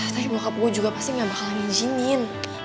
tapi bokap gue juga pasti gak bakalan izinin